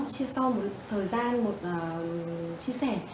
chia sâu một thời gian một chia sẻ